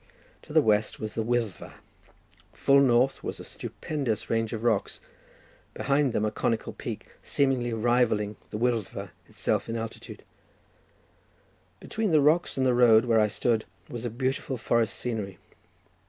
To the west was the Wyddfa; full north was a stupendous range of rocks; behind them a conical peak, seemingly rivalling the Wyddfa itself in altitude; between the rocks and the road, where I stood, was beautiful forest scenery.